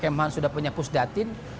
km han sudah punya pusdatin